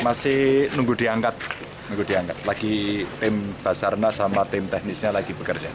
ya masih nunggu diangkat lagi tim basarna sama tim teknisnya lagi bekerja